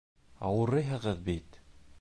— Ауырыйһығыҙ бит!